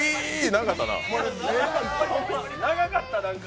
長かった、なんか。